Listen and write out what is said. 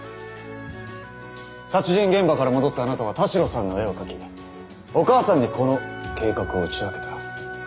殺人現場から戻ったあなたは田代さんの絵を描きお母さんにこの計画を打ち明けた。